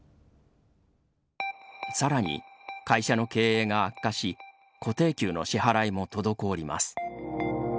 さらに、会社の経営が悪化し固定給の支払いも滞ります。